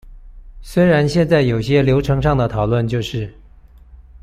雖然現在有些流程上的討論就是